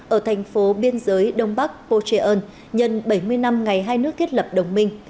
ở thành phố biên giới đông bắc portugal nhân bảy mươi năm ngày hai nước kết lập đồng minh